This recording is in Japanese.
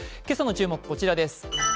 今朝の注目こちらです。